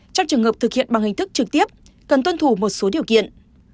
trong trường hợp thực hiện bằng hình thức trực tiếp cần tuân thủ một số điều kiện